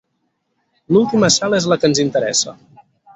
L'última sala és la que ens interessa.